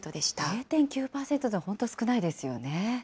０．９％とは本当に少ないですよね。